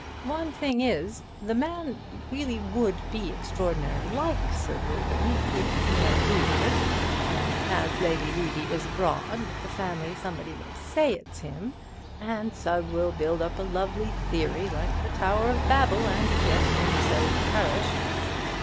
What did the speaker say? One thing is, the man would be really extraordinarily like Sir Reuben if he had a beard, and as Lady Levy is abroad with the family, somebody may say it's him, and Sugg will build up a lovely theory, like the Tower of Babel, and destined so to perish."